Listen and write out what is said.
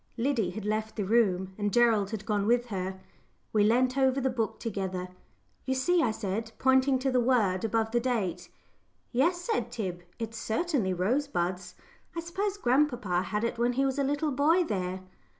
Liddy had left the room, and Gerald had gone with her. We leant over the book together. "You see?" I said, pointing to the word above the date. "Yes," said Tib; "it's certainly 'Rosebuds.' I suppose grandpapa had it when he was a little boy, there."